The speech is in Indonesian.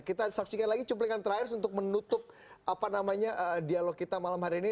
kita saksikan lagi cuplikan terakhir untuk menutup dialog kita malam hari ini